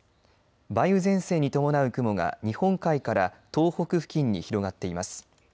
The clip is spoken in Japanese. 梅雨前線に伴う雲が日本海から東北付近に広がっています。